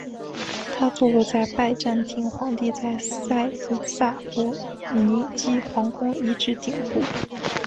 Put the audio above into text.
它坐落在拜占庭皇帝在塞萨洛尼基皇宫遗址顶部。